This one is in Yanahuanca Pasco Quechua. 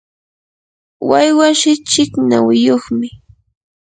waywash ichik nawiyuqmi.